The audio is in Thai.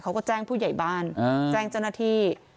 เขาก็แจ้งผู้ใหญ่บ้านแจ้งเจ้าหน้าที่